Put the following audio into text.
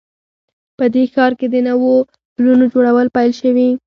په دې ښار کې د نوو پلونو جوړول پیل شوي